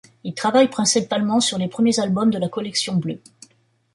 Il travaille principalement sur les premiers albums de la collection bleue.